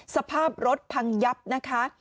สภาพรถพังยับนะคะ